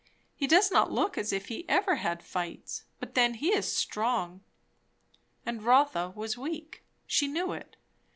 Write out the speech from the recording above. He does not look as if he ever had fights. But then he is strong. And Rotha was weak. She knew it.